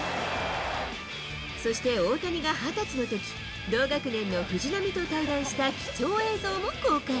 そして、大谷が２０歳のとき、同学年の藤浪と対談した貴重映像も公開。